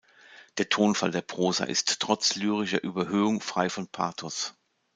Der Tonfall der Prosa ist trotz lyrischer Überhöhung frei von Pathos.